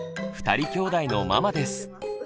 ２人きょうだいのママです。